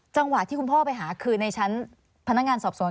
จังหวะที่คุณพ่อไปหาคือในชั้นพนักงานสอบสวน